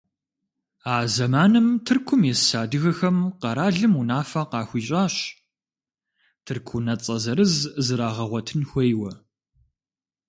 А зэманым Тыркум ис адыгэхэм къэралым унафэ къахуищӏащ тырку унэцӏэ зырыз зрагъэгъуэтын хуейуэ.